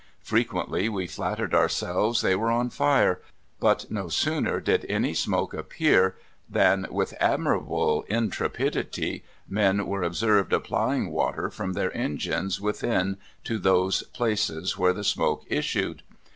Frequently we flattered ourselves they were on fire, but no sooner did any smoke appear than, with admirable intrepidity, men were observed applying water from their engines within to those places whence the smoke issued.